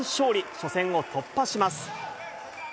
初戦を突破します。